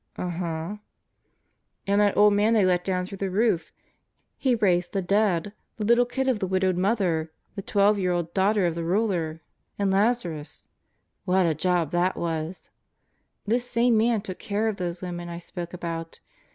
..." "Uh huh." "And that old man they let down through the roof. He raised the dead: the little kid of the widowed mother; the twelve year old daughter of the ruler, arid Lazarus. ,.. What a job that was! This same Man took care of those women I spoke about.